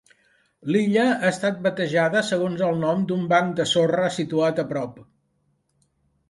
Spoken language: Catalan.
L'illa ha estat batejada segons el nom d'un banc de sorra situat a prop.